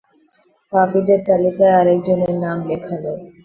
পাপীদের তালিকায় আরেকজন নাম লেখালো!